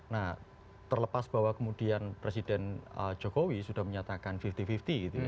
nah terlepas bahwa kemudian presiden jokowi sudah menyatakan lima puluh lima puluh gitu ya